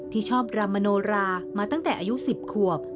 ที่ชอบรำมโนรามาตั้งแต่อายุ๑๐ขวบ